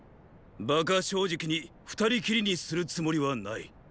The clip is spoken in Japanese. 馬鹿正直に二人きりにするつもりはない。